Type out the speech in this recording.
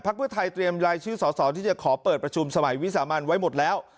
เพื่อไทยเตรียมรายชื่อสอสอที่จะขอเปิดประชุมสมัยวิสามันไว้หมดแล้ว